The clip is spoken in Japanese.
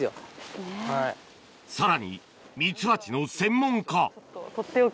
さらにミツバチの専門家とっておき？